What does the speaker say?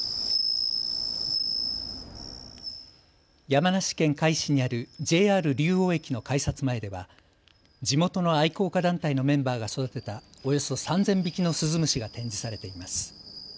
山梨県甲斐市にあるＪＲ竜王駅の改札前では地元の愛好家団体のメンバーが育てたおよそ３０００匹のスズムシが展示されています。